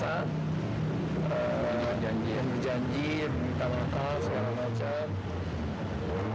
kah ingin berjanji berdoa segala macam